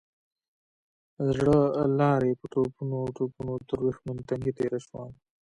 زړه لارۍ په ټوپونو ټوپونو تر ورېښمين تنګي تېره شوه.